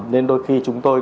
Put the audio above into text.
nên đôi khi chúng tôi